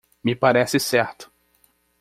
Me parece certo.